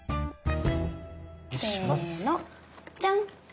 せのじゃん！